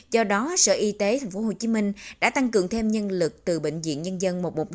do đó sở y tế tp hcm đã tăng cường thêm nhân lực từ bệnh viện nhân dân